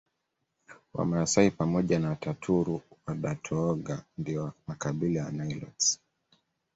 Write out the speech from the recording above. Wamasai pamoja na Wataturu Wadatooga ndio makabila ya Nilotes